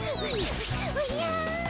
おじゃ。